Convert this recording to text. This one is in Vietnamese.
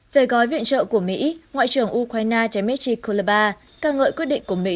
về gói viện trợ của mỹ ngoại trưởng ukraine dmitry kolobar ca ngợi quyết định của mỹ